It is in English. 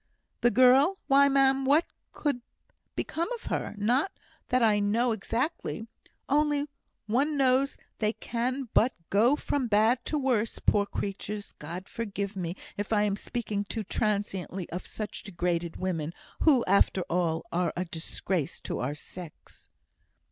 "The girl? Why, ma'am, what could become of her? Not that I know exactly only one knows they can but go from bad to worse, poor creatures! God forgive me, if I am speaking too transiently of such degraded women, who, after all, are a disgrace to our sex."